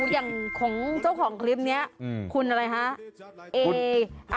อย่างของเจ้าของคลิปนี้คุณอะไรฮะ